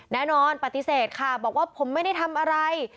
แน่นอนปฏิเสธค่ะบอกว่าผมไม่ได้ทำอะไร